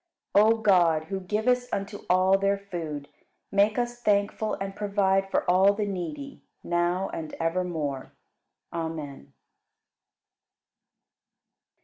57. O God, who givest unto all their food, make us thankful and provide for all the needy, now and evermore. Amen.